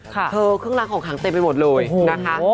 เครื่องล้างของขังเต็มไปหมดเลยนะคะ